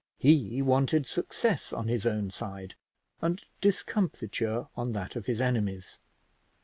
He wanted success on his own side and discomfiture on that of his enemies.